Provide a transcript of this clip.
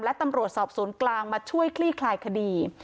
และตำรวจสอบสวนกลางมาช่วยคลี่คลายคดี